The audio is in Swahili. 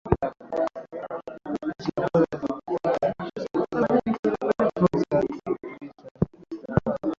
njia baora za kupika hunasaidia kutunza virutubisho